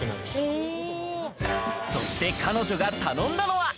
そして彼女が頼んだのは。